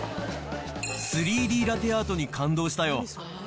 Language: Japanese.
３Ｄラテアートに感動したよ。